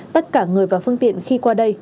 tất cả người và phương tiện khi qua đây